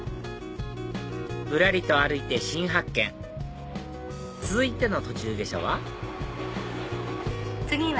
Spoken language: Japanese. ぶらりと歩いて新発見続いての途中下車は？